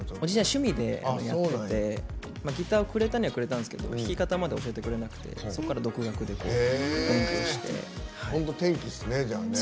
趣味でやっててギターをくれたにはくれたんですけど弾き方まで教えてくれなくてそこから独学で練習して。